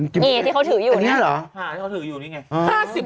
นี่ที่เขาถืออยู่นี่ไง